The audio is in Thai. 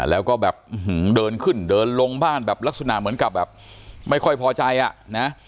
แล้วก็แบบเดินขึ้นเดินลงบ้านแบบลักษณะเหมือนกับแบบไม่ค่อยพอใจอ่ะนะ